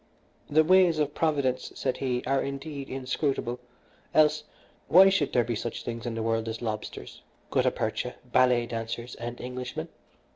"The ways of Providence," said he, "are indeed inscrutable, else why should there be such things in the world as lobsters, gutta percha, ballet dancers, and Englishmen?